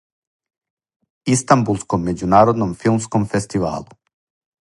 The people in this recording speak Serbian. Истанбулском међународном филмском фестивалу.